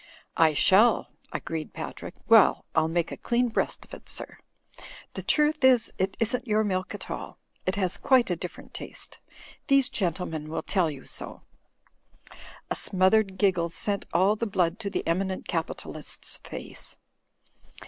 "I shall," agreed Patrick. "Well, I'll make a clean breast of it, sir. The truth is it isn't your milk at all. It has quite a different taste. These gentlemen will tell you so." A smothered giggle sent all the blood to the eminent capitalist's face.